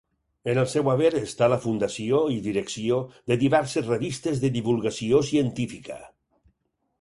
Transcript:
En el seu haver està la fundació i direcció de diverses revistes de divulgació científica.